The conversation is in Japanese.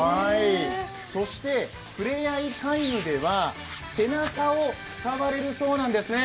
そしてふれあいタイムでは背中を触れるそうなんですね。